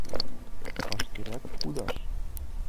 Вашкерак кудаш!